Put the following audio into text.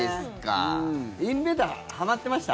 インベーダーはまってました？